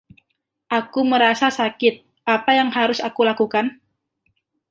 Aku merasa sakit, apa yang harus aku lakukan?